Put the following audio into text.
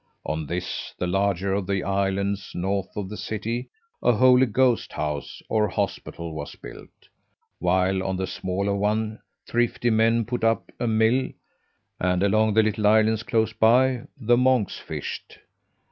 On this, the larger of the islands north of the city, a 'Holy Ghost House,' or hospital, was built; while on the smaller one thrifty men put up a mill, and along the little islands close by the monks fished.